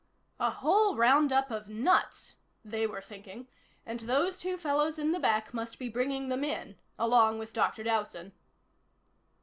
"A whole roundup of nuts," they were thinking. "And those two fellows in the back must be bringing them in along with Dr. Dowson."